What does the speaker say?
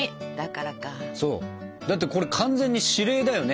そうだってこれ完全に指令だよね。